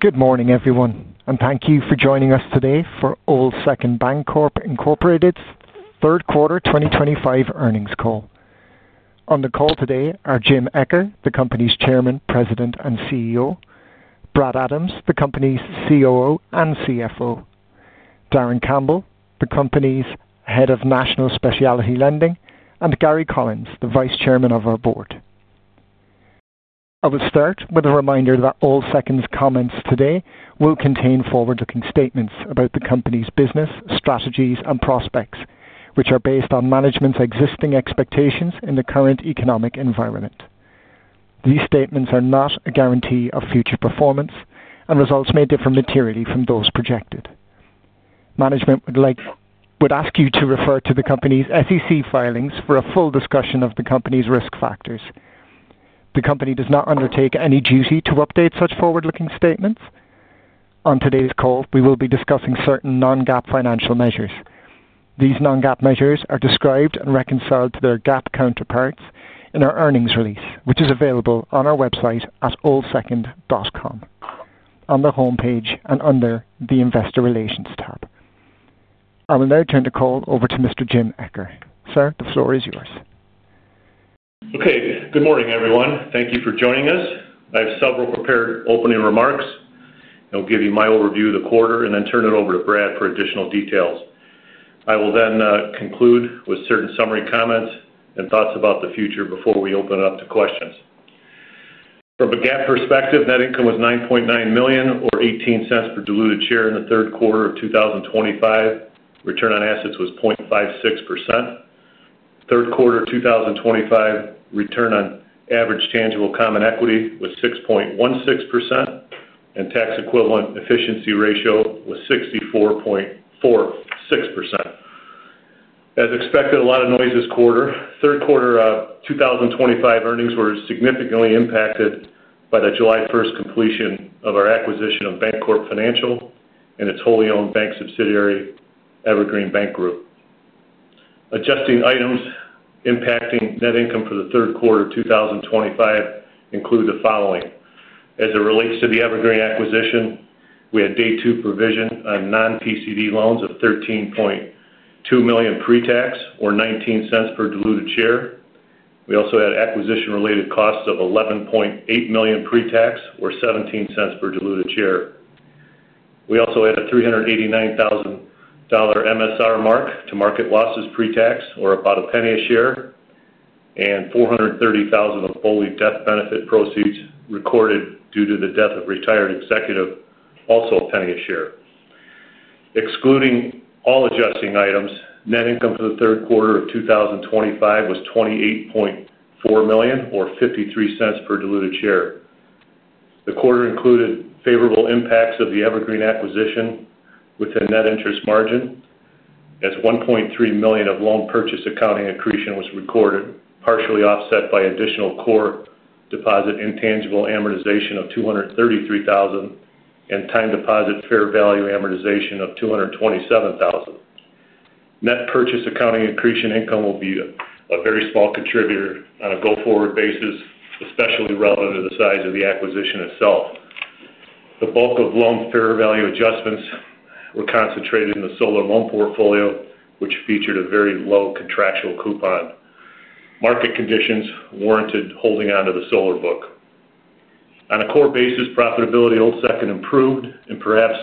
Good morning, everyone, and thank you for joining us today for Old Second Bancorp, Inc.'s third quarter 2025 earnings call. On the call today are Jim Eccher, the company's Chairman, President, and CEO; Brad Adams, the company's COO and CFO; Darin Campbell, the company's Head of National Specialty Lending; and Gary Collins, the Vice Chairman of our board. I will start with a reminder that Old Second's comments today will contain forward-looking statements about the company's business strategies and prospects, which are based on management's existing expectations in the current economic environment. These statements are not a guarantee of future performance, and results may differ materially from those projected. Management would ask you to refer to the company's SEC filings for a full discussion of the company's risk factors. The company does not undertake any duty to update such forward-looking statements. On today's call, we will be discussing certain non-GAAP financial measures. These non-GAAP measures are described and reconciled to their GAAP counterparts in our earnings release, which is available on our website at oldsecond.com on the homepage and under the Investor Relations tab. I will now turn the call over to Mr. Jim Eccher. Sir, the floor is yours. Okay. Good morning, everyone. Thank you for joining us. I have several prepared opening remarks. I'll give you my overview of the quarter and then turn it over to Brad for additional details. I will then conclude with certain summary comments and thoughts about the future before we open it up to questions. From a GAAP perspective, net income was $9.9 million or $0.18 per diluted share in the third quarter of 2025. Return on assets was 0.56%. Third quarter 2025, return on average tangible common equity was 6.16%, and tax equivalent efficiency ratio was 64.46%. As expected, a lot of noise this quarter. Third quarter 2025 earnings were significantly impacted by the July 1st completion of our acquisition of Bancorp Financial and its wholly owned bank subsidiary, Evergreen Bank Group. Adjusting items impacting net income for the third quarter of 2025 include the following. As it relates to the Evergreen acquisition, we had day two provision on non-PCD loans of $13.2 million pre-tax or $0.19 per diluted share. We also had acquisition-related costs of $11.8 million pre-tax or $0.17 per diluted share. We also had a $389,000 MSR mark to market losses pre-tax or about $0.01 a share and $430,000 of BOLI death benefit proceeds recorded due to the death of retired executive, also $0.01 a share. Excluding all adjusting items, net income for the third quarter of 2025 was $28.4 million or $0.53 per diluted share. The quarter included favorable impacts of the Evergreen acquisition with a net interest margin as $1.3 million of loan purchase accounting accretion was recorded, partially offset by additional core deposit intangible amortization of $233,000 and time deposit fair value amortization of $227,000. Net purchase accounting accretion income will be a very small contributor on a go-forward basis, especially relative to the size of the acquisition itself. The bulk of loan fair value adjustments were concentrated in the solar loan portfolio, which featured a very low contractual coupon. Market conditions warranted holding onto the Solar book. On a core basis, profitability at Old Second improved, and perhaps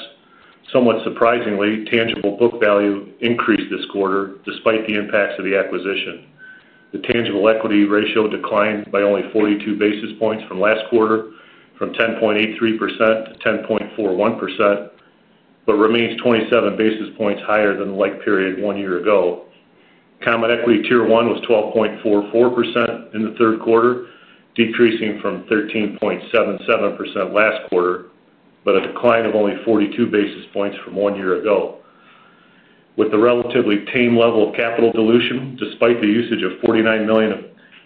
somewhat surprisingly, tangible book value increased this quarter despite the impacts of the acquisition. The tangible equity ratio declined by only 42 basis points from last quarter, from 10.83%-10.41%, but remains 27 basis points higher than the like period one year ago. Common equity tier one was 12.44% in the third quarter, decreasing from 13.77% last quarter, but a decline of only 42 basis points from one year ago. With the relatively tame level of capital dilution, despite the usage of $49 million of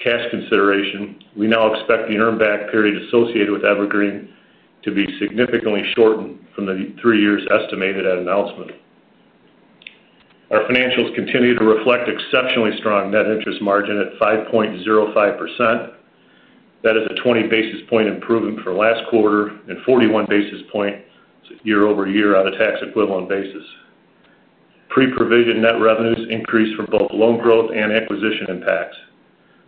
cash consideration, we now expect the earned back period associated with Evergreen to be significantly shortened from the three years estimated at announcement. Our financials continue to reflect exceptionally strong net interest margin at 5.05%. That is a 20 basis point improvement from last quarter and 41 basis points year-over-year on a tax equivalent basis. Pre-provision net revenues increased from both loan growth and acquisition impacts.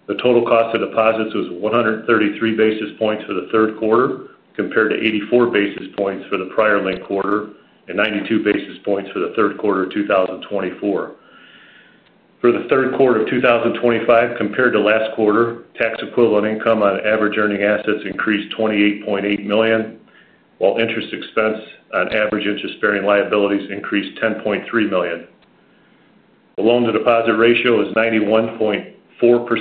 The total cost of deposits was 1.33% for the third quarter compared to 0.84% for the prior main quarter and 0.92% for the third quarter of 2024. For the third quarter of 2025, compared to last quarter, tax equivalent income on average earning assets increased $28.8 million, while interest expense on average interest-bearing liabilities increased $10.3 million. The loan-to-deposit ratio is 91.4% as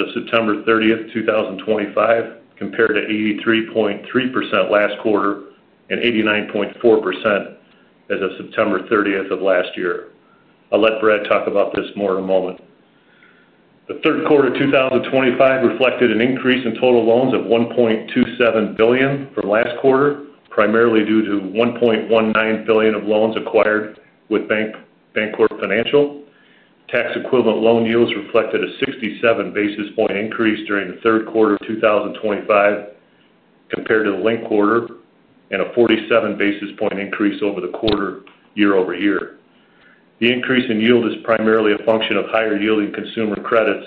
of September 30th, 2025, compared to 83.3% last quarter and 89.4% as of September 30th of last year. I'll let Brad talk about this more in a moment. The third quarter of 2025 reflected an increase in total loans of $1.27 billion from last quarter, primarily due to $1.19 billion of loans acquired with Bancorp Financial. Tax equivalent loan yields reflected a 67 basis point increase during the third quarter of 2025 compared to the linked quarter and a 47 basis point increase over the quarter year-over-year. The increase in yield is primarily a function of higher yielding consumer credits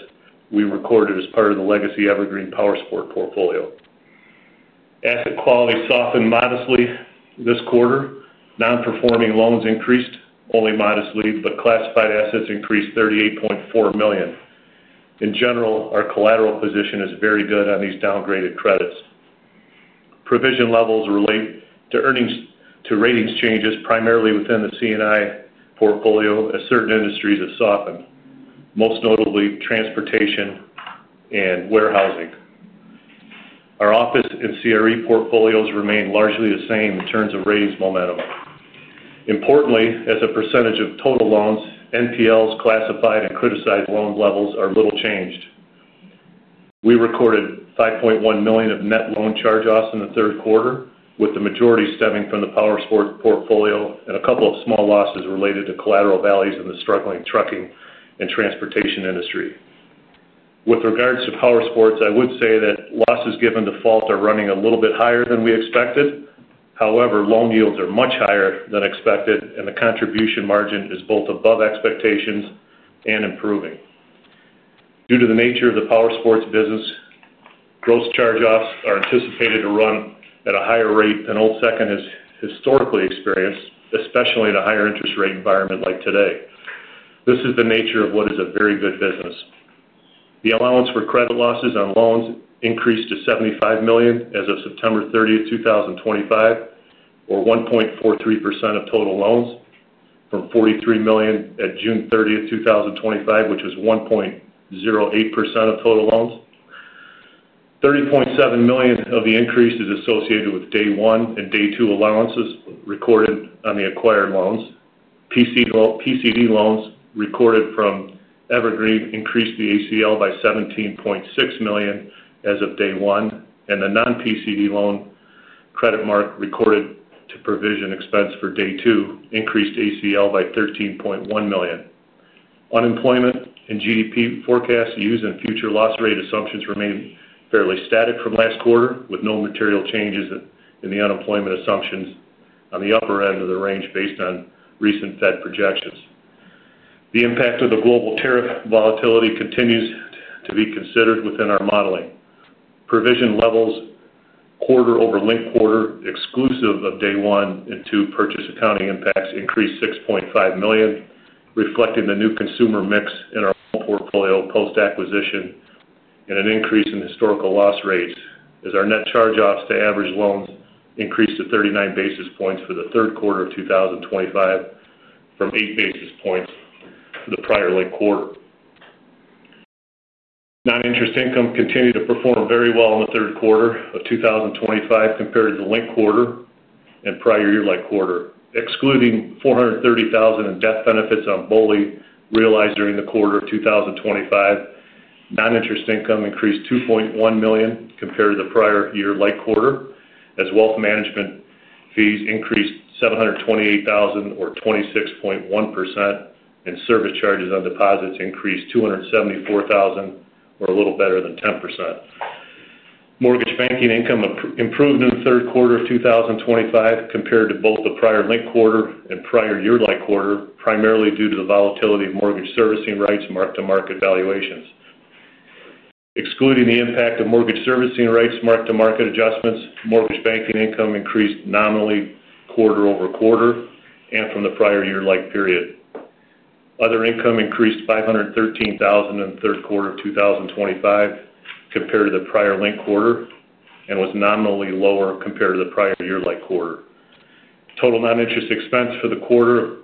we recorded as part of the legacy Evergreen PowerSport portfolio. Asset quality softened modestly this quarter. Non-performing loans increased only modestly, but classified assets increased $38.4 million. In general, our collateral position is very good on these downgraded credits. Provision levels relate to earnings to ratings changes primarily within the C&I portfolio as certain industries have softened, most notably transportation and warehousing. Our office and CRE portfolios remain largely the same in terms of ratings momentum. Importantly, as a percentage of total loans, NPLs, classified and criticized loan levels are little changed. We recorded $5.1 million of net loan charge-offs in the third quarter, with the majority stemming from the PowerSport portfolio and a couple of small losses related to collateral values in the struggling trucking and transportation industry. With regards to PowerSport, I would say that losses given default are running a little bit higher than we expected. However, loan yields are much higher than expected, and the contribution margin is both above expectations and improving. Due to the nature of the PowerSport business, gross charge-offs are anticipated to run at a higher rate than Old Second has historically experienced, especially in a higher interest rate environment like today. This is the nature of what is a very good business. The allowance for credit losses on loans increased to $75 million as of September 30th, 2025, or 1.43% of total loans from $43 million at June 30th, 2025, which was 1.08% of total loans. $30.7 million of the increase is associated with day one and day two allowances recorded on the acquired loans. PCD loans recorded from Evergreen increased the ACL by $17.6 million as of day one, and the non-PCD loan credit mark recorded to provision expense for day two increased ACL by $13.1 million. Unemployment and GDP forecast use and future loss rate assumptions remain fairly static from last quarter, with no material changes in the unemployment assumptions on the upper end of the range based on recent Fed projections. The impact of the global tariff volatility continues to be considered within our modeling. Provision levels quarter over linked quarter, exclusive of day one and two purchase accounting impacts, increased $6.5 million, reflecting the new consumer mix in our own portfolio post-acquisition and an increase in historical loss rates as our net charge-offs to average loans increased to 39 basis points for the third quarter of 2025 from 8 basis points for the prior like quarter. Non-interest income continued to perform very well in the third quarter of 2025 compared to the linked quarter and prior year like quarter. Excluding $430,000 in death benefits on BOLI realized during the quarter of 2025, non-interest income increased $2.1 million compared to the prior year like quarter, as wealth management fees increased $728,000 or 26.1%, and service charges on deposits increased $274,000 or a little better than 10%. Mortgage banking income improved in the third quarter of 2025 compared to both the prior linked quarter and prior year like quarter, primarily due to the volatility of mortgage servicing rights marked to market valuations. Excluding the impact of mortgage servicing rights marked to market adjustments, mortgage banking income increased nominally quarter-over-quarter and from the prior year like period. Other income increased $513,000 in the third quarter of 2025 compared to the prior linked quarter and was nominally lower compared to the prior year like quarter. Total non-interest expense for the quarter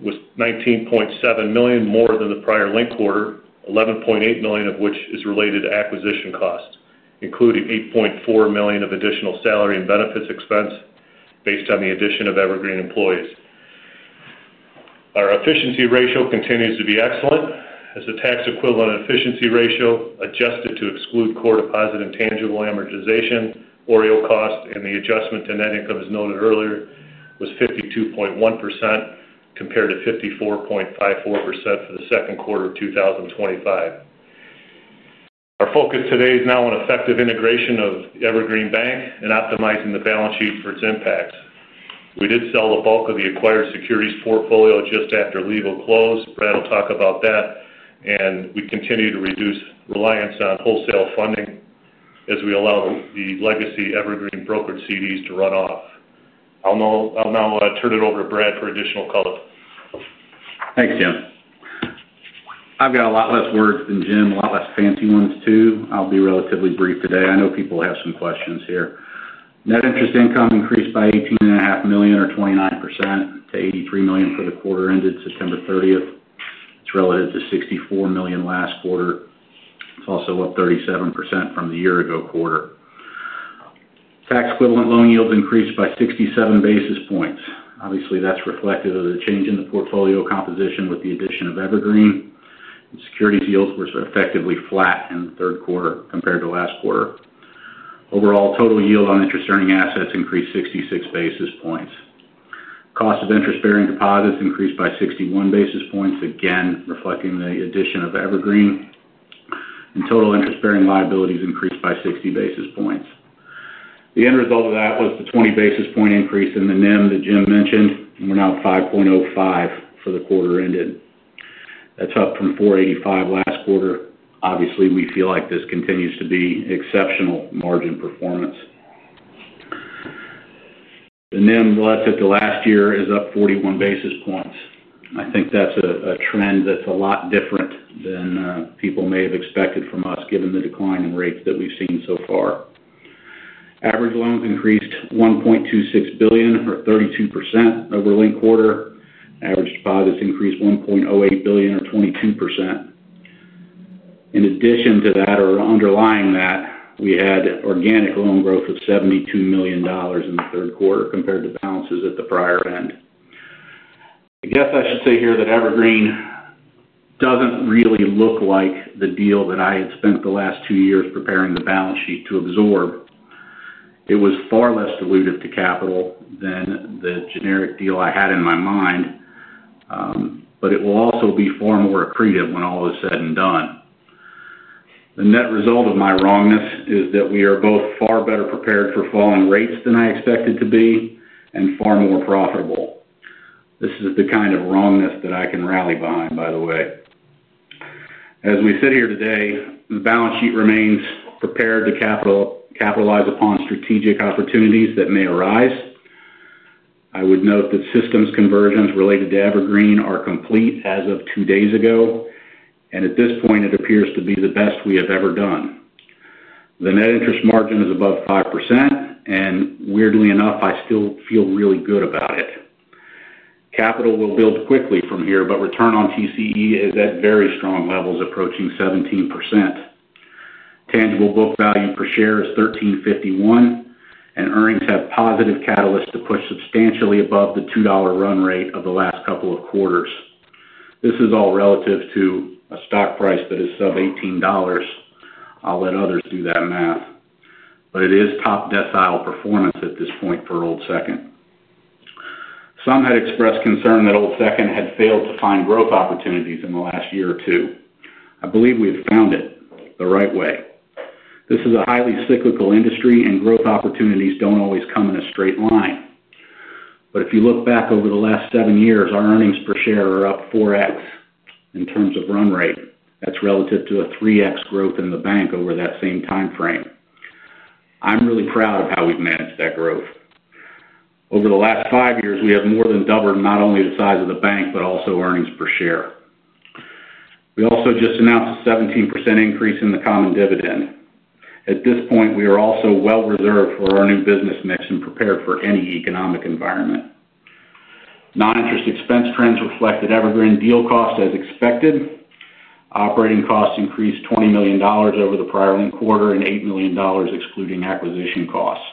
was $19.7 million more than the prior linked quarter, $11.8 million of which is related to acquisition costs, including $8.4 million of additional salary and benefits expense based on the addition of Evergreen employees. Our efficiency ratio continues to be excellent, as the tax equivalent efficiency ratio adjusted to exclude core deposit and tangible amortization or yield cost, and the adjustment to net income as noted earlier was 52.1% compared to 54.54% for the second quarter of 2025. Our focus today is now on effective integration of Evergreen Bank Group and optimizing the balance sheet for its impacts. We did sell the bulk of the acquired securities portfolio just after legal closed. Brad will talk about that, and we continue to reduce reliance on wholesale funding as we allow the legacy Evergreen brokered CDs to run off. I'll now turn it over to Brad for additional color. Thanks, Jim. I've got a lot less words than Jim, a lot less fancy ones too. I'll be relatively brief today. I know people have some questions here. Net interest income increased by $18.5 million or 29% to $83 million for the quarter ended September 30th. It's relative to $64 million last quarter. It's also up 37% from the year ago quarter. Tax equivalent loan yields increased by 67 basis points. Obviously, that's reflective of the change in the portfolio composition with the addition of Evergreen. Securities yields were effectively flat in the third quarter compared to last quarter. Overall, total yield on interest earning assets increased 66 basis points. Cost of interest-bearing deposits increased by 61 basis points, again reflecting the addition of Evergreen, and total interest-bearing liabilities increased by 60 basis points. The end result of that was the 20 basis point increase in the NIM that Jim mentioned, and we're now at 5.05% for the quarter ended. That's up from 4.85% last quarter. Obviously, we feel like this continues to be exceptional margin performance. The NIM relative to last year is up 41 basis points. I think that's a trend that's a lot different than people may have expected from us given the decline in rates that we've seen so far. Average loans increased $1.26 billion or 32% over linked quarter. Average deposits increased $1.08 billion or 22%. In addition to that, or underlying that, we had organic loan growth of $72 million in the third quarter compared to balances at the prior end. I guess I should say here that Evergreen doesn't really look like the deal that I had spent the last two years preparing the balance sheet to absorb. It was far less dilutive to capital than the generic deal I had in my mind, but it will also be far more accretive when all is said and done. The net result of my wrongness is that we are both far better prepared for falling rates than I expected to be and far more profitable. This is the kind of wrongness that I can rally behind, by the way. As we sit here today, the balance sheet remains prepared to capitalize upon strategic opportunities that may arise. I would note that systems conversions related to Evergreen are complete as of two days ago, and at this point, it appears to be the best we have ever done. The net interest margin is above 5%, and weirdly enough, I still feel really good about it. Capital will build quickly from here, but return on TCE is at very strong levels, approaching 17%. Tangible book value per share is $13.51, and earnings have positive catalysts to push substantially above the $2 run rate of the last couple of quarters. This is all relative to a stock price that is sub $18. I'll let others do that math, but it is top-decile performance at this point for Old Second. Some had expressed concern that Old Second had failed to find growth opportunities in the last year or two. I believe we have found it the right way. This is a highly cyclical industry, and growth opportunities don't always come in a straight line. If you look back over the last seven years, our earnings per share are up 4X in terms of run rate. That's relative to a 3X growth in the bank over that same timeframe. I'm really proud of how we've managed that growth. Over the last five years, we have more than doubled not only the size of the bank but also earnings per share. We also just announced a 17% increase in the common dividend. At this point, we are also well-reserved for our new business mix and prepared for any economic environment. Non-interest expense trends reflected Evergreen deal cost as expected. Operating costs increased $20 million over the prior linked quarter and $8 million excluding acquisition costs.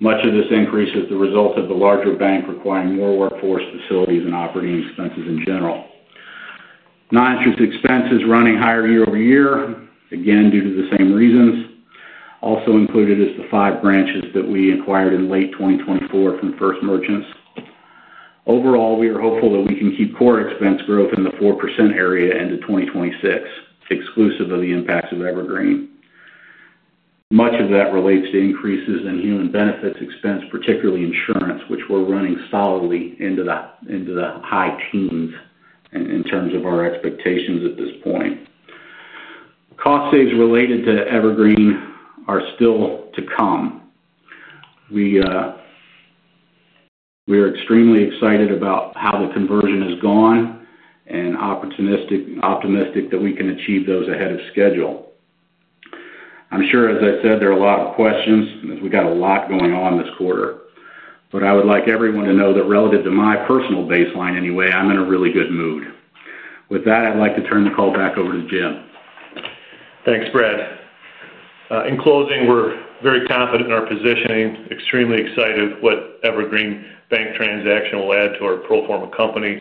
Much of this increase is the result of the larger bank requiring more workforce, facilities, and operating expenses in general. Non-interest expense is running higher year-over-year, again due to the same reasons. Also included is the five branches that we acquired in late 2024 from First Merchants. Overall, we are hopeful that we can keep core expense growth in the 4% area into 2026, exclusive of the impacts of Evergreen. Much of that relates to increases in human benefits expense, particularly insurance, which we're running solidly into the high teens in terms of our expectations at this point. Cost saves related to Evergreen are still to come. We are extremely excited about how the conversion has gone and optimistic that we can achieve those ahead of schedule. I'm sure, as I said, there are a lot of questions as we got a lot going on this quarter, but I would like everyone to know that relative to my personal baseline anyway, I'm in a really good mood. With that, I'd like to turn the call back over to Jim. Thanks, Brad. In closing, we're very confident in our positioning, extremely excited what the Evergreen Bank Group transaction will add to our pro forma company.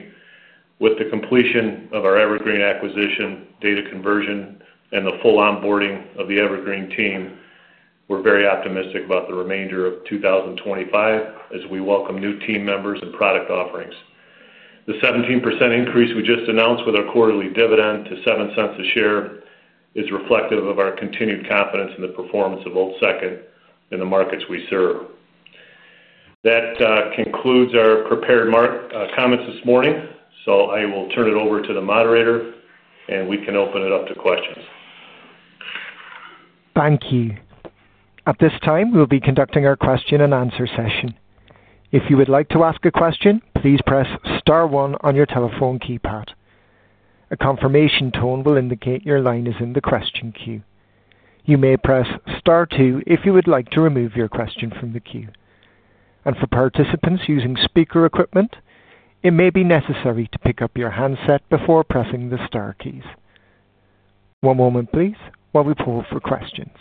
With the completion of our Evergreen acquisition, data conversion, and the full onboarding of the Evergreen team, we're very optimistic about the remainder of 2025 as we welcome new team members and product offerings. The 17% increase we just announced with our quarterly dividend to $0.07 a share is reflective of our continued confidence in the performance of Old Second Bancorp in the markets we serve. That concludes our prepared comments this morning, so I will turn it over to the moderator, and we can open it up to questions. Thank you. At this time, we'll be conducting our question and answer session. If you would like to ask a question, please press star one on your telephone keypad. A confirmation tone will indicate your line is in the question queue. You may press star two if you would like to remove your question from the queue. For participants using speaker equipment, it may be necessary to pick up your handset before pressing the star keys. One moment, please, while we pull for questions.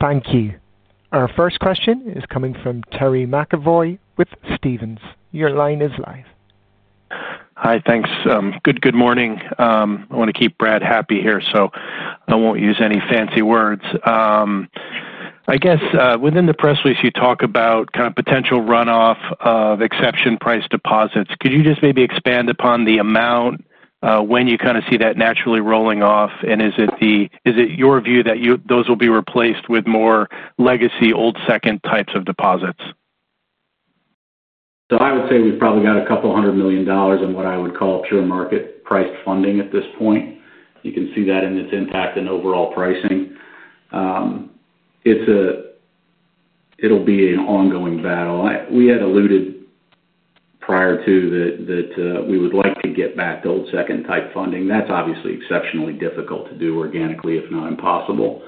Thank you. Our first question is coming from Terry McEvoy with Stephens. Your line is live. Hi, thanks. Good morning. I want to keep Brad happy here, so I won't use any fancy words. I guess within the press release, you talk about kind of potential runoff of exception price deposits. Could you just maybe expand upon the amount, when you kind of see that naturally rolling off, and is it your view that those will be replaced with more legacy Old Second types of deposits? I would say we've probably got a couple hundred million dollars in what I would call pure market priced funding at this point. You can see that in its impact in overall pricing. It'll be an ongoing battle. We had alluded prior to that we would like to get back to Old Second type funding. That's obviously exceptionally difficult to do organically, if not impossible.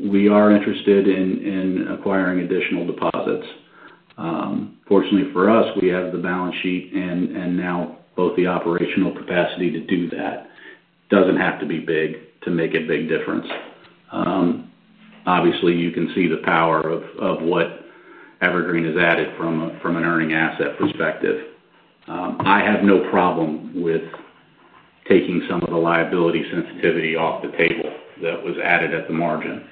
We are interested in acquiring additional deposits. Fortunately for us, we have the balance sheet and now both the operational capacity to do that. It doesn't have to be big to make a big difference. Obviously, you can see the power of what Evergreen has added from an earning asset perspective. I have no problem with taking some of the liability sensitivity off the table that was added at the margin.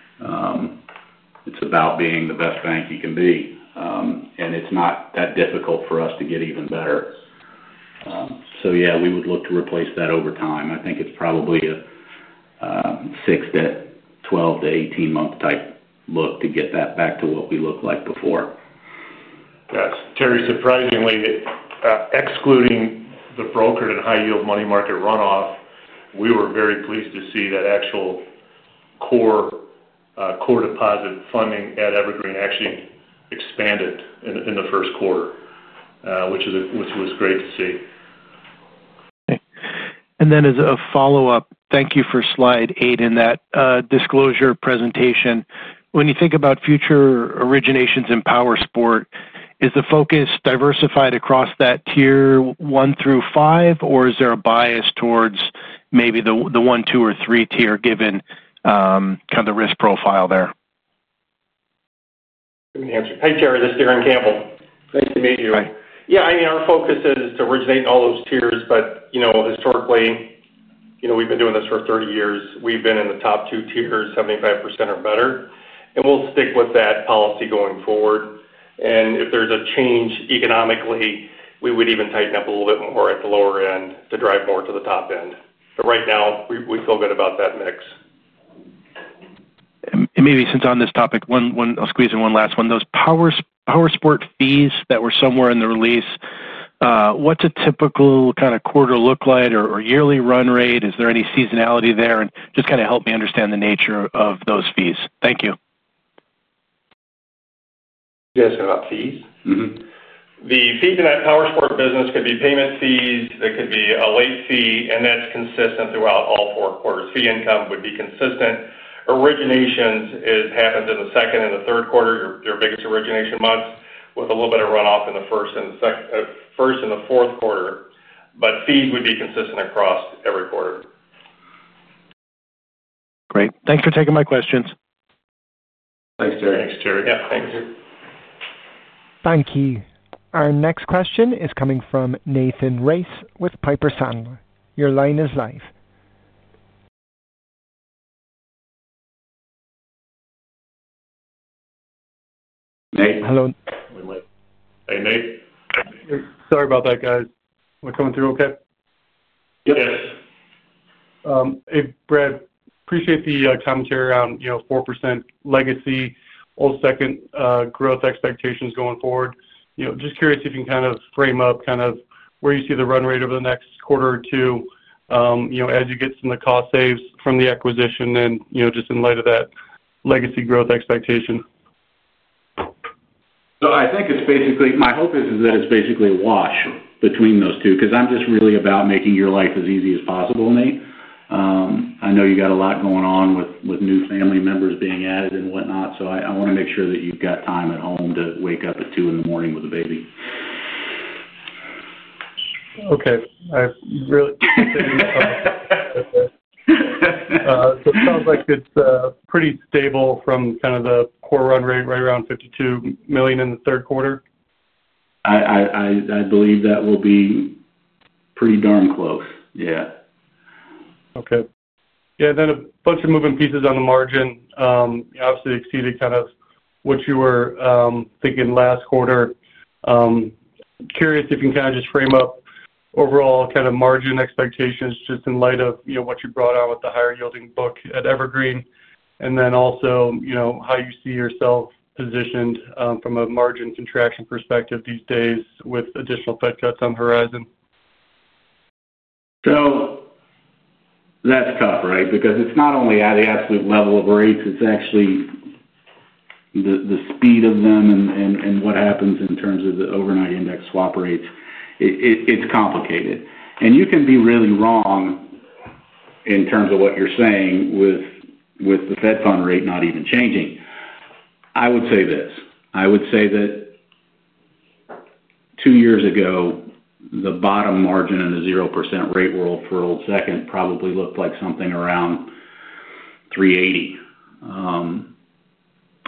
It's about being the best bank you can be, and it's not that difficult for us to get even better. We would look to replace that over time. I think it's probably a 6, 12-18 month type look to get that back to what we looked like before. Thanks. Terry, surprisingly, excluding the brokered and high-yield money market runoff, we were very pleased to see that actual core deposit funding at Evergreen actually expanded in the first quarter, which was great to see. Thank you for slide eight in that disclosure presentation. When you think about future originations in PowerSport, is the focus diversified across that tier one through five, or is there a bias towards maybe the one, two, or three tier given kind of the risk profile there? Hi, Terry. This is Darin Campbell. Nice to meet you. Yeah, I mean, our focus is to originate in all those tiers, but you know historically, we've been doing this for 30 years. We've been in the top two tiers, 75% or better, and we'll stick with that policy going forward. If there's a change economically, we would even tighten up a little bit more at the lower end to drive more to the top end. Right now, we feel good about that mix. Since we're on this topic, I'll squeeze in one last one. Those PowerSport fees that were somewhere in the release, what's a typical kind of quarter look like or yearly run rate? Is there any seasonality there? Just kind of help me understand the nature of those fees. Thank you. You're asking about fees? Mm-hmm. The fees in that PowerSport portfolio could be payment fees. There could be a late fee, and that's consistent throughout all four quarters. Fee income would be consistent. Originations happen in the second and the third quarter, your biggest origination months, with a little bit of runoff in the first and the fourth quarter. Fees would be consistent across every quarter. Great. Thanks for taking my questions. Thanks, Terry. Thanks, Terry. Yeah, thank you. Thank you. Our next question is coming from Nathan Race with Piper Sandler. Your line is live. Nate? Hello. Hey, Nate? Hey, Nate? Sorry about that, guys. We're coming through okay? Yep. Yes. Hey, Brad, appreciate the commentary around 4% legacy Old Second growth expectations going forward. Just curious if you can kind of frame up where you see the run rate over the next quarter or two as you get some of the cost saves from the acquisition, just in light of that legacy growth expectation. I think it's basically my hope is that it's basically a wash between those two because I'm just really about making your life as easy as possible, Nate. I know you got a lot going on with new family members being added and whatnot, so I want to make sure that you've got time at home to wake up at 2:00 A.M. with a baby. Okay, I really appreciate you. It sounds like it's pretty stable from kind of the core run rate right around $52 million in the third quarter. I believe that will be pretty darn close. Yeah. Okay. Yeah, a bunch of moving pieces on the margin. You obviously exceeded kind of what you were thinking last quarter. Curious if you can kind of just frame up overall margin expectations just in light of what you brought on with the higher-yielding book at Evergreen and then also how you see yourself positioned from a margin contraction perspective these days with additional Fed cuts on the horizon. That's tough, right? Because it's not only at the absolute level of rates, it's actually the speed of them and what happens in terms of the overnight index swap rates. It's complicated. You can be really wrong in terms of what you're saying with the Fed fund rate not even changing. I would say this. Two years ago, the bottom margin in a 0% rate world for Old Second probably looked like something around 380.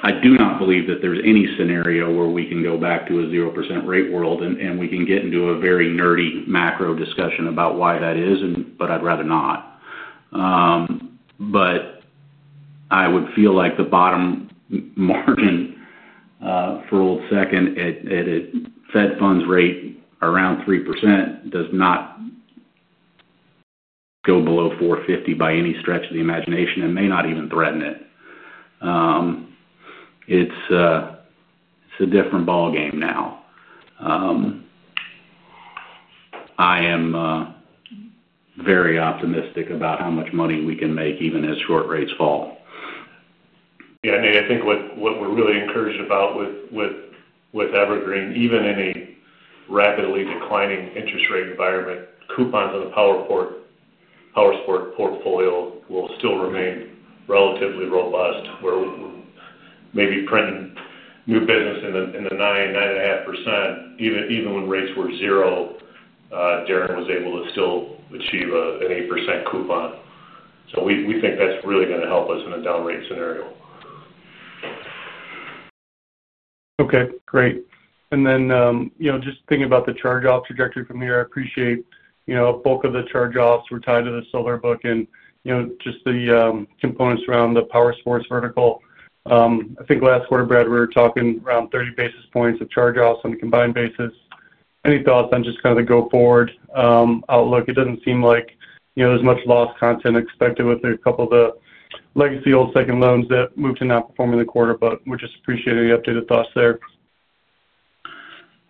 I do not believe that there's any scenario where we can go back to a 0% rate world, and we can get into a very nerdy macro discussion about why that is, but I'd rather not. I would feel like the bottom margin for Old Second at a Fed funds rate around 3% does not go below 450 by any stretch of the imagination and may not even threaten it. It's a different ballgame now. I am very optimistic about how much money we can make even as short rates fall. Yeah, Nate, I think what we're really encouraged about with Evergreen, even in a rapidly declining interest rate environment, coupons in the PowerSport portfolio will still remain relatively robust. We're maybe printing new business in the 9%-9.5%. Even when rates were zero, Darin was able to still achieve an 8% coupon. We think that's really going to help us in a down rate scenario. Okay. Great. Just thinking about the charge-off trajectory from here, I appreciate a bulk of the charge-offs were tied to the Solar book and the components around the PowerSport portfolio. I think last quarter, Brad, we were talking around 30 basis points of charge-offs on the combined basis. Any thoughts on the go-forward outlook? It doesn't seem like there's much loss content expected with a couple of the legacy Old Second loans that moved to not perform in the quarter, but we're just appreciating the updated thoughts there.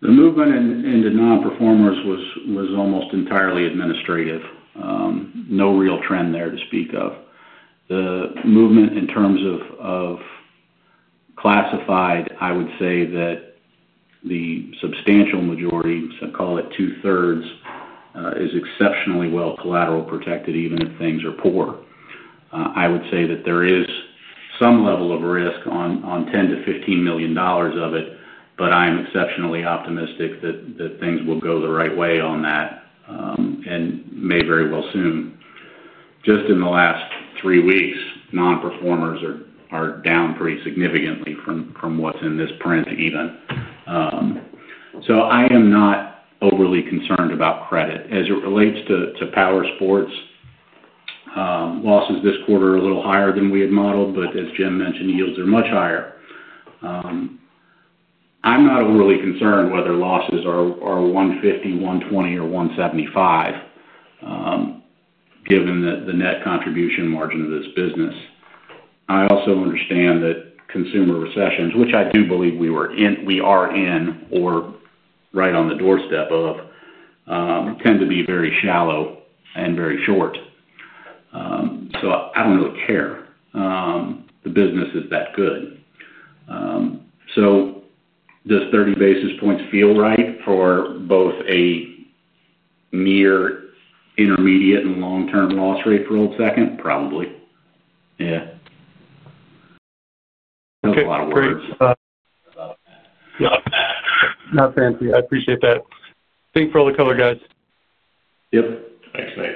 The movement into non-performers was almost entirely administrative. No real trend there to speak of. The movement in terms of classified, I would say that the substantial majority, so call it 2/3, is exceptionally well collateral protected even if things are poor. I would say that there is some level of risk on $10 million-$15 million of it, but I am exceptionally optimistic that things will go the right way on that and may very well soon. Just in the last three weeks, non-performers are down pretty significantly from what's in this print even. I am not overly concerned about credit. As it relates to PowerSport portfolio, losses this quarter are a little higher than we had modeled, but as Jim mentioned, yields are much higher. I'm not overly concerned whether losses are $150, $120, or $175 given the net contribution margin of this business. I also understand that consumer recessions, which I do believe we are in or right on the doorstep of, tend to be very shallow and very short. I don't really care. The business is that good. Does 30 basis points feel right for both a mere intermediate and long-term loss rate for Old Second? Probably. Yeah. That's a lot of words. Okay. Great. Not a fan, not a fan. Not fancy. I appreciate that. Thanks for all the color, guys. Yep. Thanks, mate.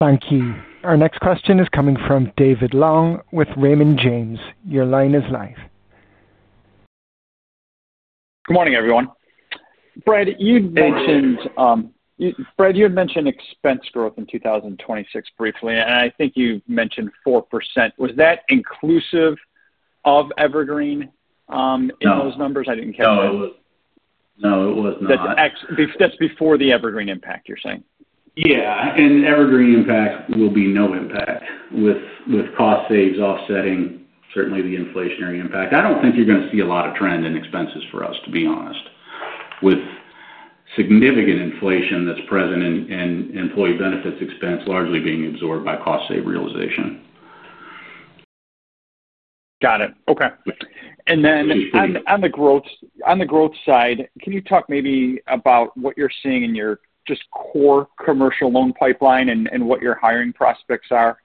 Thank you. Our next question is coming from David Long with Raymond James. Your line is live. Good morning, everyone. Brad, you'd mentioned expense growth in 2026 briefly, and I think you mentioned 4%. Was that inclusive of Evergreen in those numbers? I didn't catch that. No, it was not. That's before the Evergreen impact, you're saying? Evergreen impact will be no impact, with cost saves offsetting certainly the inflationary impact. I don't think you're going to see a lot of trend in expenses for us, to be honest, with significant inflation that's present in employee benefits expense largely being absorbed by cost save realization. Got it. Okay. On the growth side, can you talk maybe about what you're seeing in your just core commercial loan pipeline and what your hiring prospects are?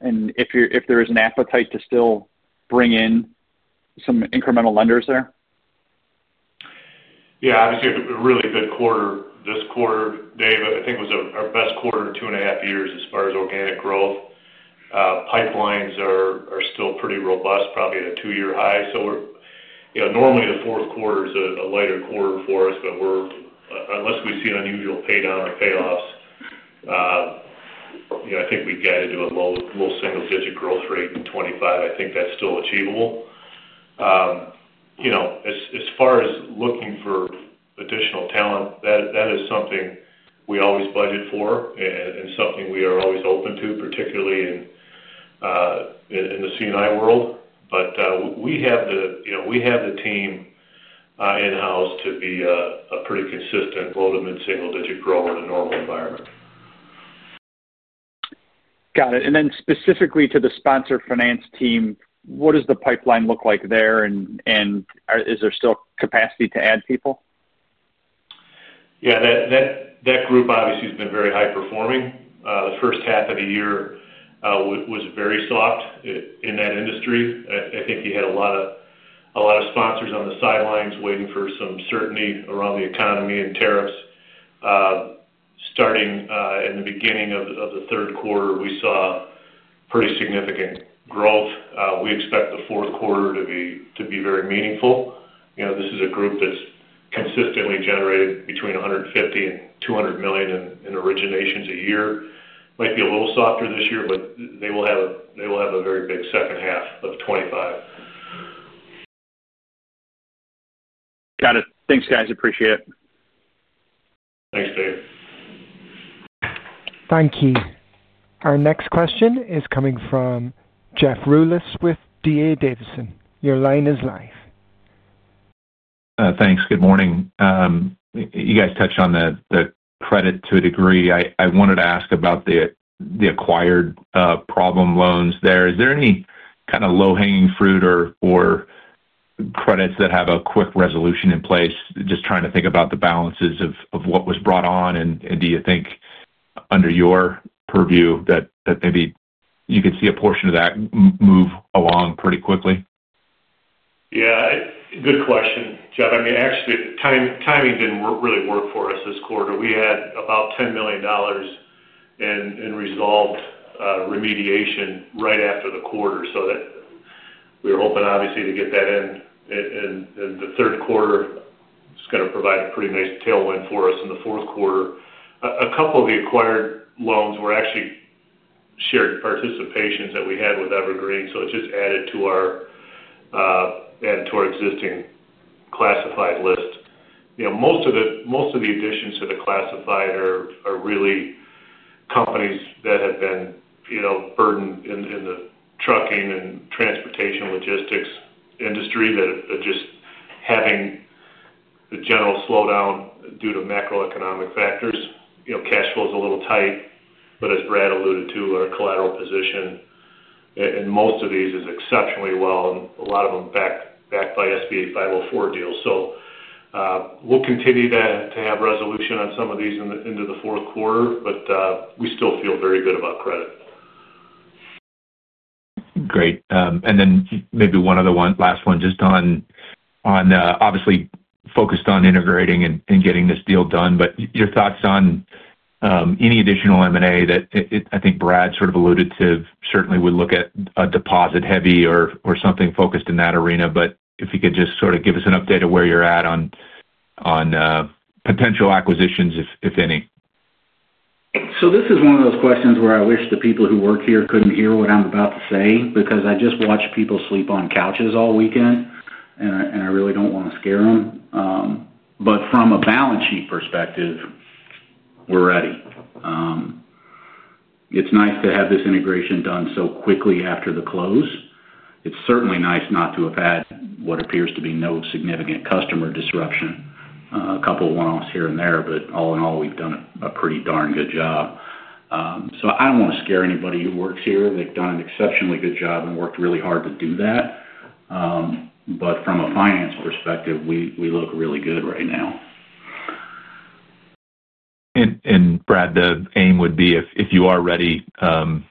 If there is an appetite to still bring in some incremental lenders there? Yeah, obviously, a really good quarter this quarter, Dave. I think it was our best quarter in two and a half years as far as organic growth. Pipelines are still pretty robust, probably at a two-year high. Normally the fourth quarter is a lighter quarter for us, but unless we see an unusual paydown or payoffs, I think we've got to do a low single-digit growth rate in 2025. I think that's still achievable. As far as looking for additional talent, that is something we always budget for and something we are always open to, particularly in the C&I world. We have the team in-house to be a pretty consistent low to mid-single-digit grower in a normal environment. Got it. Specifically to the sponsor finance team, what does the pipeline look like there? Is there still capacity to add people? Yeah, that group obviously has been very high-performing. The first half of the year was very soft in that industry. I think you had a lot of sponsors on the sidelines waiting for some certainty around the economy and tariffs. Starting in the beginning of the third quarter, we saw pretty significant growth. We expect the fourth quarter to be very meaningful. This is a group that's consistently generated between $150 million and $200 million in originations a year. Might be a little softer this year, but they will have a very big second half of 2025. Got it. Thanks, guys. Appreciate it. Thanks, Dave. Thank you. Our next question is coming from Jeff Rulis with D.A. Davidson. Your line is live. Thanks. Good morning. You guys touched on the credit to a degree. I wanted to ask about the acquired problem loans there. Is there any kind of low-hanging fruit or credits that have a quick resolution in place? Just trying to think about the balances of what was brought on. Do you think under your purview that maybe you could see a portion of that move along pretty quickly? Yeah, good question, Jeff. Actually, timing didn't really work for us this quarter. We had about $10 million in resolved remediation right after the quarter. We were hoping, obviously, to get that in. The third quarter is going to provide a pretty nice tailwind for us in the fourth quarter. A couple of the acquired loans were actually shared participations that we had with Evergreen. It just added to our existing classified list. Most of the additions to the classified are really companies that have been burdened in the trucking and transportation logistics industry that are just having a general slowdown due to macroeconomic factors. Cash flow is a little tight, but as Brad alluded to, our collateral position in most of these is exceptionally well. A lot of them backed by SBA 504 deals. We will continue to have resolution on some of these into the fourth quarter, but we still feel very good about credit. Great. Maybe one other one, last one, just on, obviously, focused on integrating and getting this deal done. Your thoughts on any additional M&A that I think Brad sort of alluded to certainly would look at a deposit-heavy or something focused in that arena. If you could just sort of give us an update of where you're at on potential acquisitions, if any. This is one of those questions where I wish the people who work here couldn't hear what I'm about to say because I just watch people sleep on couches all weekend, and I really don't want to scare them. From a balance sheet perspective, we're ready. It's nice to have this integration done so quickly after the close. It's certainly nice not to have had what appears to be no significant customer disruption. A couple of one-offs here and there, but all in all, we've done a pretty darn good job. I don't want to scare anybody who works here. They've done an exceptionally good job and worked really hard to do that. From a finance perspective, we look really good right now. Brad, the aim would be if you are ready, would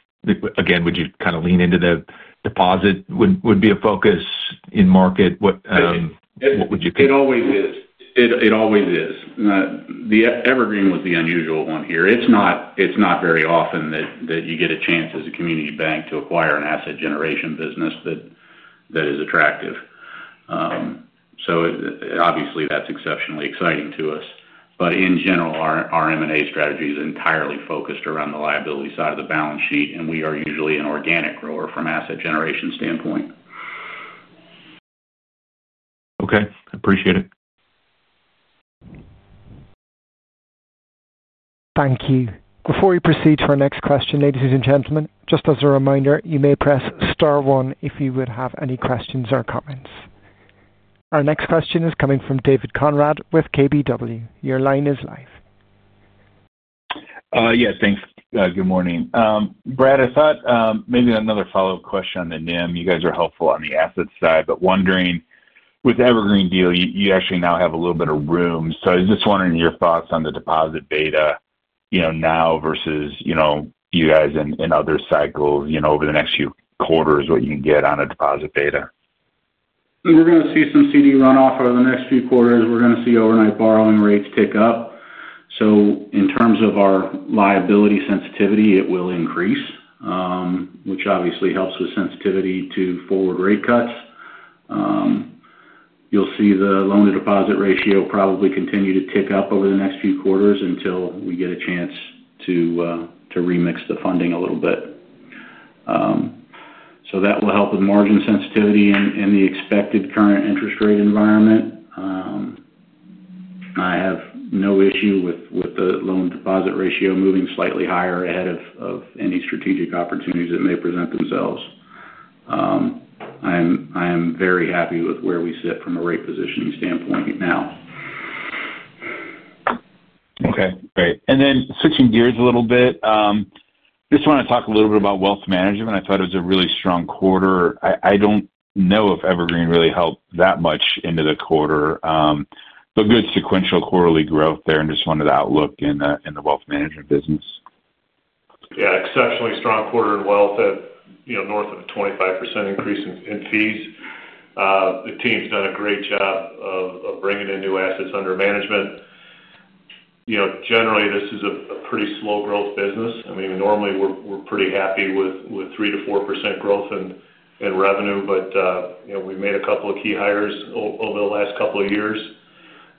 you kind of lean into the deposit would be a focus in market? It always is. It always is. Evergreen was the unusual one here. It's not very often that you get a chance as a community bank to acquire an asset generation business that is attractive. Obviously, that's exceptionally exciting to us. In general, our M&A strategy is entirely focused around the liability side of the balance sheet, and we are usually an organic grower from an asset generation standpoint. Okay, I appreciate it. Thank you. Before we proceed to our next question, ladies and gentlemen, just as a reminder, you may press star one if you would have any questions or comments. Our next question is coming from David Konrad with KBW. Your line is live. Yeah, thanks. Good morning. Brad, I thought maybe another follow-up question on the NIM. You guys are helpful on the asset side, but wondering, with the Evergreen deal, you actually now have a little bit of room. I was just wondering your thoughts on the deposit beta now versus you know, you guys in other cycles, over the next few quarters, what you can get on a deposit beta. We're going to see some CD runoff over the next few quarters. We're going to see overnight borrowing rates tick up. In terms of our liability sensitivity, it will increase, which obviously helps with sensitivity to forward rate cuts. You'll see the loan-to-deposit ratio probably continue to tick up over the next few quarters until we get a chance to remix the funding a little bit. That will help with margin sensitivity in the expected current interest rate environment. I have no issue with the loan-to-deposit ratio moving slightly higher ahead of any strategic opportunities that may present themselves. I am very happy with where we sit from a rate positioning standpoint now. Okay. Great. Switching gears a little bit, I just want to talk a little bit about wealth management. I thought it was a really strong quarter. I don't know if Evergreen really helped that much into the quarter, but good sequential quarterly growth there and just wanted to outlook in the wealth management business. Yeah, exceptionally strong quarter in wealth at north of a 25% increase in fees. The team's done a great job of bringing in new assets under management. Generally, this is a pretty slow-growth business. I mean, normally, we're pretty happy with 3%-4% growth in revenue, but we made a couple of key hires over the last couple of years,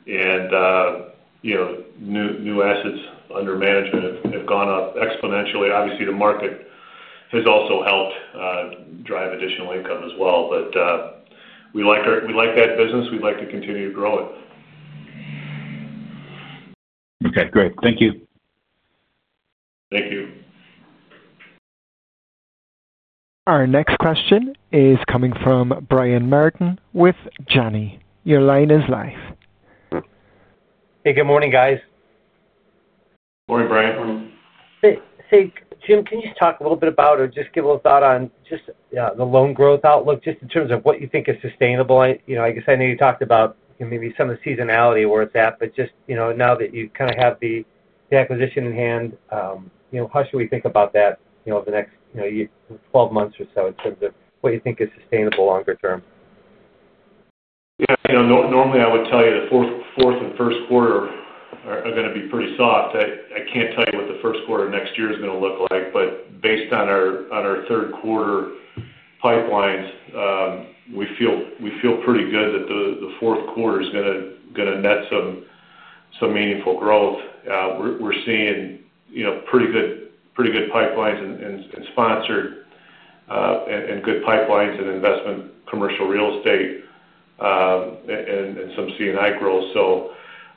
and new assets under management have gone up exponentially. Obviously, the market has also helped drive additional income as well, but we like that business. We'd like to continue to grow it. Okay, great. Thank you. Thank you. Our next question is coming from Brian Martin with Janney. Your line is live. Hey, good morning, guys. Morning, Brian. Morning. Hey. Jim, can you just talk a little bit about or just give a little thought on the loan growth outlook, in terms of what you think is sustainable? I know you talked about maybe some of the seasonality where it's at, but now that you kind of have the acquisition in hand, how should we think about that over the next 12 months or so in terms of what you think is sustainable longer term? Yeah, you know, normally, I would tell you the fourth and first quarter are going to be pretty soft. I can't tell you what the first quarter of next year is going to look like, but based on our third quarter pipelines, we feel pretty good that the fourth quarter is going to net some meaningful growth. We're seeing pretty good pipelines in sponsor finance and good pipelines in investment commercial real estate and some C&I growth.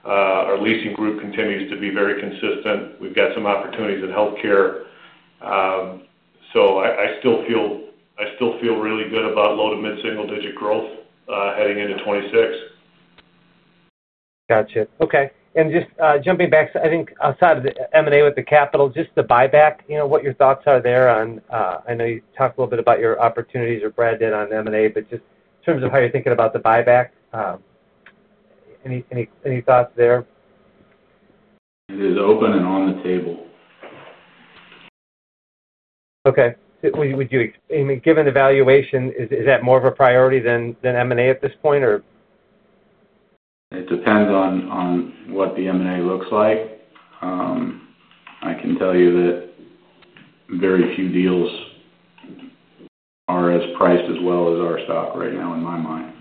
Our leasing group continues to be very consistent. We've got some opportunities in healthcare. I still feel really good about low to mid-single-digit growth heading into 2026. Gotcha. Okay. Just jumping back, I think outside of the M&A with the capital, just the buyback, you know, what your thoughts are there on, I know you talked a little bit about your opportunities or Brad did on M&A, but just in terms of how you're thinking about the buyback, any thoughts there? It is open and on the table. Okay. Would you, I mean, given the valuation, is that more of a priority than M&A at this point? It depends on what the M&A looks like. I can tell you that very few deals are as priced as well as our stock right now, in my mind.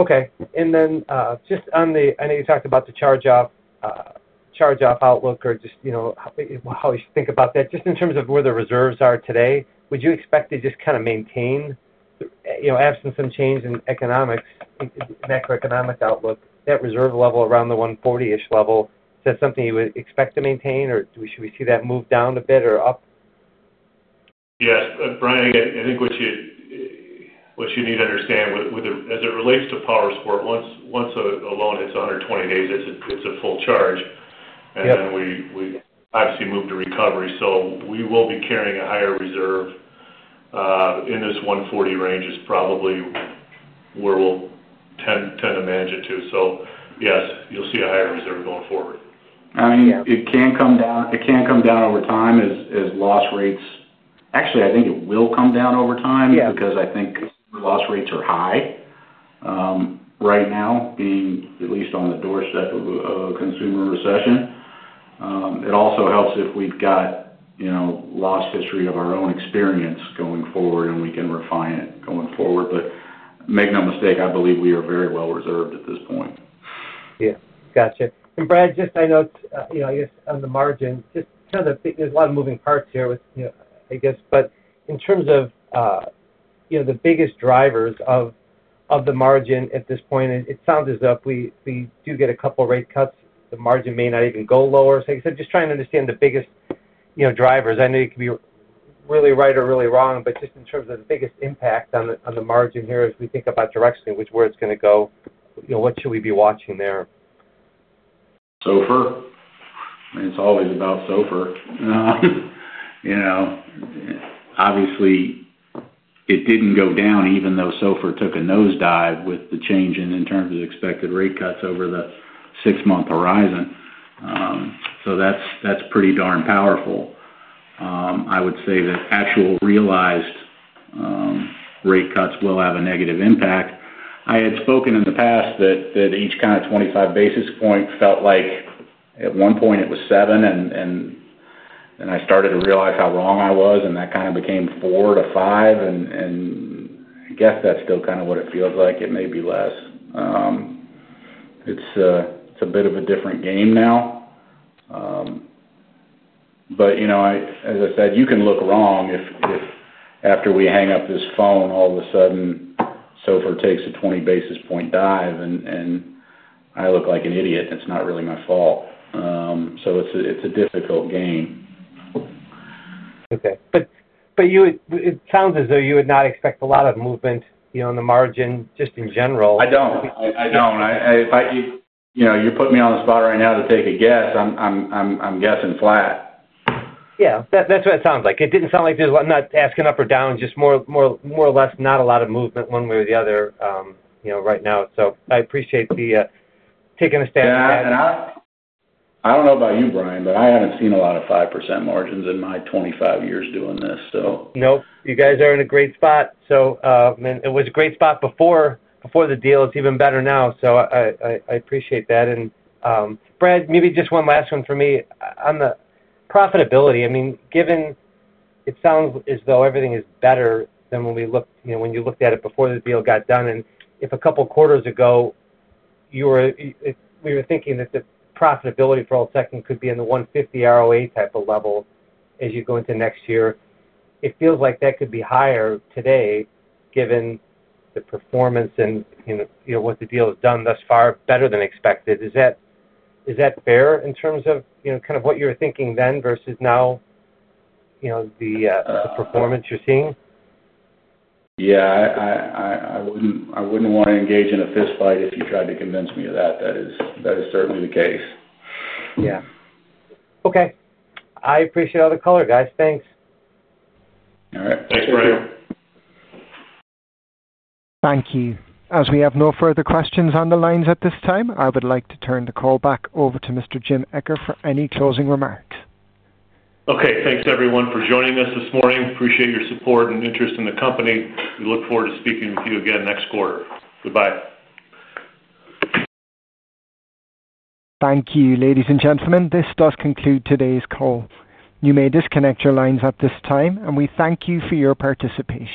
Okay. Just on the, I know you talked about the charge-off outlook or just how you should think about that. In terms of where the reserves are today, would you expect to just kind of maintain, absent some change in economics, macroeconomic outlook, that reserve level around the $140 million-ish level, is that something you would expect to maintain, or should we see that move down a bit or up? Yes. Brian, I think what you need to understand with it, as it relates to PowerSport, once a loan hits 120 days, it's a full charge. We obviously move to recovery. We will be carrying a higher reserve. In this $140 range is probably where we'll tend to manage it to. Yes, you'll see a higher reserve going forward. I mean, it can come down, it can come down over time as loss rates. Actually, I think it will come down over time because I think consumer loss rates are high right now, being at least on the doorstep of a consumer recession. It also helps if we've got, you know, loss history of our own experience going forward, and we can refine it going forward. Make no mistake, I believe we are very well reserved at this point. Gotcha. Brad, just on the margins, there's a lot of moving parts here, but in terms of the biggest drivers of the margin at this point, it sounds as though if we do get a couple of rate cuts, the margin may not even go lower. I'm just trying to understand the biggest drivers. I know you can be really right or really wrong, but in terms of the biggest impact on the margin here, as we think about directionally which way it's going to go, what should we be watching there? SOFR. I mean, it's always about SOFR. Obviously, it didn't go down even though SOFR took a nosedive with the change in terms of expected rate cuts over the six-month horizon. That's pretty darn powerful. I would say that actual realized rate cuts will have a negative impact. I had spoken in the past that each kind of 25 basis point felt like at one point it was 7, and then I started to realize how wrong I was, and that kind of became 4-5. I guess that's still kind of what it feels like. It may be less. It's a bit of a different game now. You know, as I said, you can look wrong if after we hang up this phone, all of a sudden, SOFR takes a 20 basis point dive and I look like an idiot. That's not really my fault. It's a difficult game. Okay, it sounds as though you would not expect a lot of movement, you know, on the margin just in general. If you know, you're putting me on the spot right now to take a guess, I'm guessing flat. Yeah, that's what it sounds like. It didn't sound like there's not asking up or down, just more or less not a lot of movement one way or the other right now. I appreciate the taking a stab at that. I don't know about you, Brian, but I haven't seen a lot of 5% margins in my 25 years doing this. You guys are in a great spot. I mean, it was a great spot before the deal. It's even better now. I appreciate that. Brad, maybe just one last one for me on the profitability. Given it sounds as though everything is better than when we looked, you know, when you looked at it before the deal got done, and if a couple of quarters ago you were, we were thinking that the profitability for Old Second could be in the 1.50% ROA type of level as you go into next year, it feels like that could be higher today given the performance and, you know, what the deal has done thus far, better than expected. Is that fair in terms of, you know, kind of what you were thinking then versus now, you know, the performance you're seeing? Yeah, I wouldn't want to engage in a fistfight if you tried to convince me of that. That is certainly the case. Yeah, okay. I appreciate all the color, guys. Thanks. All right. Thanks, Brian. Thank you. As we have no further questions on the lines at this time, I would like to turn the call back over to Mr. Jim Eccher for any closing remarks. Okay. Thanks, everyone, for joining us this morning. Appreciate your support and interest in the company. We look forward to speaking with you again next quarter. Goodbye. Thank you, ladies and gentlemen. This does conclude today's call. You may disconnect your lines at this time, and we thank you for your participation.